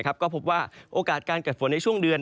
ก็พบว่าโอกาสการเกิดฝนในช่วงเดือน